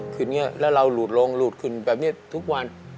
อย่างนี้แล้วเราหลุดลงหลูดขึ้นแบบนี้ทุกวัน